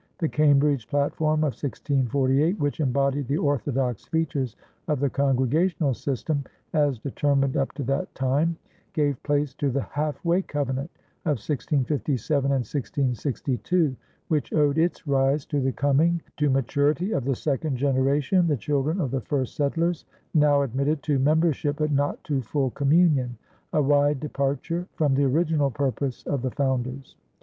The Cambridge platform of 1648, which embodied the orthodox features of the Congregational system as determined up to that time, gave place to the Half Way Covenant of 1657 and 1662, which owed its rise to the coming to maturity of the second generation, the children of the first settlers, now admitted to membership but not to full communion a wide departure from the original purpose of the founders.